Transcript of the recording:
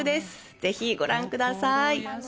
ぜひご覧ください。